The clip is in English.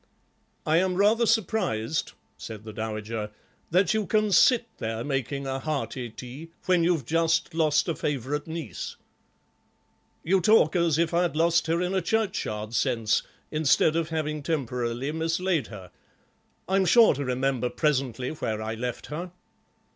"I am rather surprised," said the dowager, "that you can sit there making a hearty tea when you've just lost a favourite niece." "You talk as if I'd lost her in a churchyard sense, instead of having temporarily mislaid her. I'm sure to remember presently where I left her."